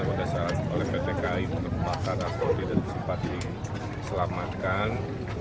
berdasarkan pt kai terpaksa raporti dan kesempatan diselamatkan